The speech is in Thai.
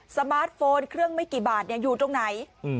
สมาร์ทโฟนเครื่องไม่กี่บาทอยู่ตรงไหน